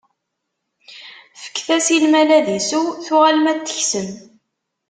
Fket-as i lmal ad isew, tuɣalem ad t-teksem.